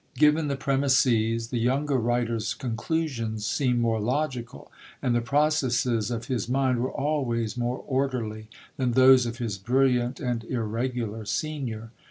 Given the premises, the younger writer's conclusions seem more logical; and the processes of his mind were always more orderly than those of his brilliant and irregular senior.